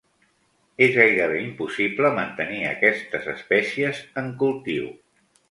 És gairebé impossible mantenir aquestes espècies en cultiu.